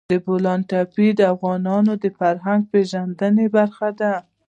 د بولان پټي د افغانانو د فرهنګي پیژندنې برخه ده.